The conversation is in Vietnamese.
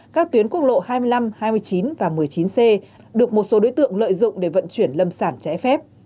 các tuyến quốc lộ hai mươi năm hai mươi chín và một mươi chín c được một số đối tượng lợi dụng để vận chuyển lâm sản trái phép